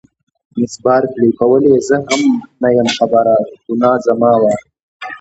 مس بارکلي: په ولې یې زه هم نه یم خبره، ګناه زما وه.